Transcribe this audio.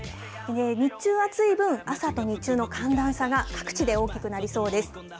日中は暑い分、朝と日中の寒暖差が各地で大きくなりそうです。